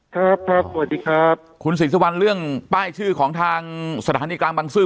ครับครับสวัสดีครับคุณศรีสุวรรณเรื่องป้ายชื่อของทางสถานีกลางบังซื้อ